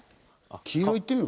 黄色いってみる？